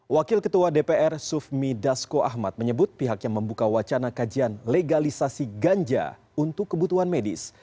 wakil ketua dpr sufmi dasko ahmad menyebut pihaknya membuka wacana kajian legalisasi ganja untuk kebutuhan medis